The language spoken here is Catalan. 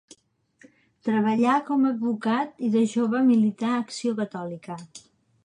Treballà com a advocat i de jove milità a Acció Catòlica.